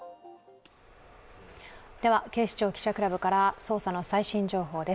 警視庁記者クラブから捜査の最新情報です。